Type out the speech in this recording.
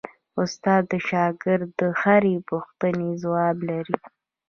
استاد د شاګرد د هرې پوښتنې ځواب لري.